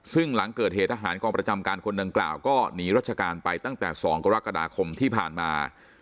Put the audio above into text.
ซึ่งหลังเกิดเหตุทหารกองประจำการคนดังกล่าวก็หนีรัชการไปตั้งแต่๒กรกฎาคมที่ผ่านมา